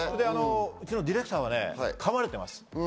うちのディレクターがかまれています。